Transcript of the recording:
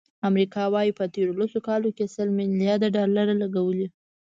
امریکا وایي، په تېرو لسو کالو کې سل ملیارد ډالر لګولي.